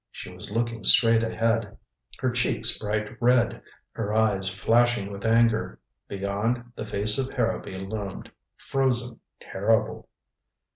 She was looking straight ahead, her cheeks bright red, her eyes flashing with anger. Beyond, the face of Harrowby loomed, frozen, terrible.